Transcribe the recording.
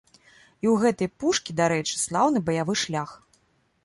І ў гэтай пушкі, дарэчы, слаўны баявы шлях.